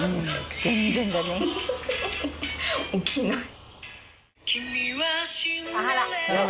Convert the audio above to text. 起きない。